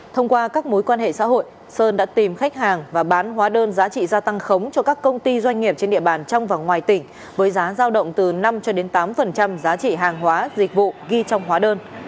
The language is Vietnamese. thông qua các mối quan hệ xã hội sơn đã tìm khách hàng và bán hóa đơn giá trị gia tăng khống cho các công ty doanh nghiệp trên địa bàn trong và ngoài tỉnh với giá giao động từ năm cho đến tám giá trị hàng hóa dịch vụ ghi trong hóa đơn